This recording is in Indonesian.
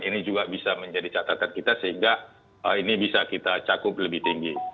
ini juga bisa menjadi catatan kita sehingga ini bisa kita cakup lebih tinggi